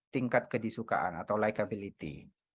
tingkat kedisukaan atau likability